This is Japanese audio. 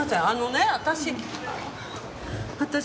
あのね私。